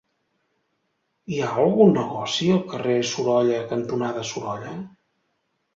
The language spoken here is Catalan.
Hi ha algun negoci al carrer Sorolla cantonada Sorolla?